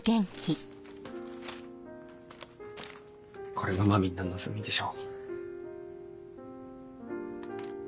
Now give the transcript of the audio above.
これがまみんの望みでしょ。